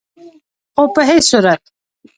خو په هيڅ صورت